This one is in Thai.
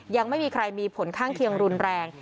ยังไม่มีใครมีผลข้างเคียงรุนแรง